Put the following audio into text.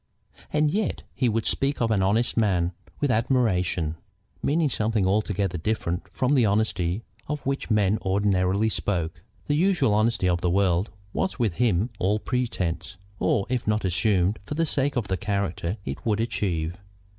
And yet he would speak of an honest man with admiration, meaning something altogether different from the honesty of which men ordinarily spoke. The usual honesty of the world was with him all pretence, or, if not, assumed for the sake of the character it would achieve.